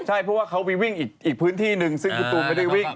ใช่เพราะว่าเขาไปวิ่งอีกพื้นที่หนึ่งซึ่งคุณตูนไม่ได้วิ่ง